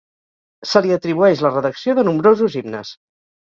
Se li atribueix la redacció de nombrosos himnes.